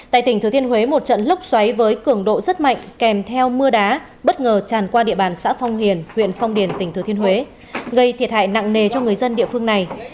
tại tỉnh thừa thiên huế một trận lốc xoáy với cường độ rất mạnh kèm theo mưa đá bất ngờ tràn qua địa bàn xã phong hiền huyện phong điền tỉnh thừa thiên huế gây thiệt hại nặng nề cho người dân địa phương này